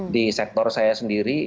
di sektor saya sendiri